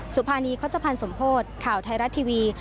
สุภานีคสมโภตข่าวไทยรัตน์ทีวี